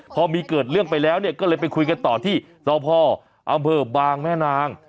พอมีเกิดเรื่องไปแล้วเนี่ยก็เลยไปคุยกันต่อที่สพอำเภอบางแม่นาง